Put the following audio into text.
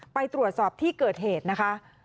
ไปตรวจสอบที่เกิดเหตุนะคะ